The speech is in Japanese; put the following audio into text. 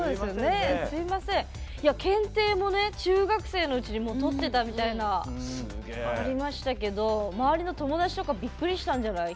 検定も中学生のうちに取ってたみたいな、ありましたが周りの友達とかびっくりしたんじゃない？